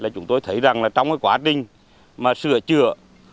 chúng tôi thấy rằng trong quá trình sửa chữa